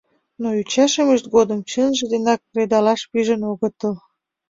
Но ӱчашымышт годымат чынже денак кредалаш пижын огытыл.